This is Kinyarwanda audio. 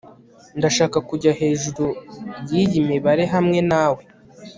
ndashaka kujya hejuru yiyi mibare hamwe nawe